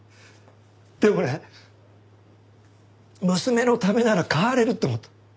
でもね娘のためなら変われると思った。